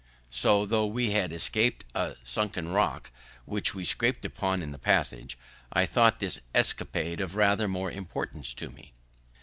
So, tho' we had escap'd a sunken rock, which we scrap'd upon in the passage, I thought this escape of rather more importance to me.